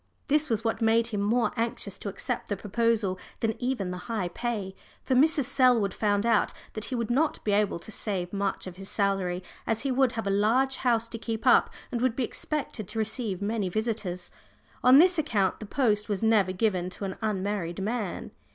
This was what made him more anxious to accept the proposal than even the high pay. For Mrs. Selwood found out that he would not be able to save much of his salary, as he would have a large house to keep up, and would be expected to receive many visitors. On this account the post was never given to an unmarried man.